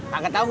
gak ketau gue